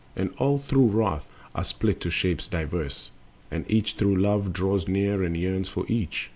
And all through Wrath are split to shapes diverse; And each through Love draws near and yearns for each.